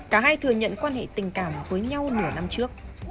cả hai thừa nhận quan hệ tình cảm với nhau nửa năm trước